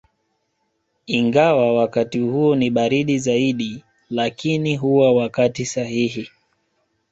Ingawa wakati huo ni baridi zaidi lakini huwa wakati sahihi